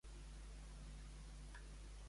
La lletgesa guarda l'honra.